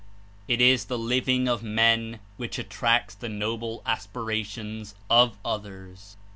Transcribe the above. It is the living of men, which attracts the noble aspirations of others.